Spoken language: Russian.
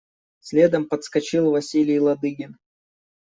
Следом подскочил Василий Ладыгин.